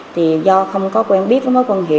thì do không có quen biết với mối quan hệ